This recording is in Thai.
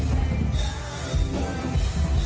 มันทำอย่างไร